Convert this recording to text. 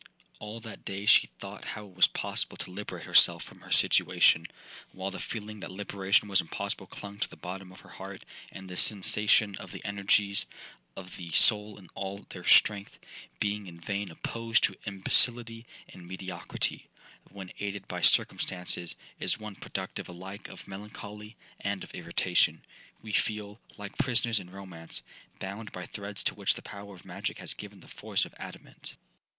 'All that day she thought how it was possible to liberate herself from her situation, while the feeling that liberation was impossible clung to the bottom of her heart; and this sensation of the energies of the soul in all their strength, being in vain opposed to imbecillity and mediocrity, when aided by circumstances, is one productive alike of melancholy and of irritation. We feel, like prisoners in romance, bound by threads to which the power of magic has given the force of adamant.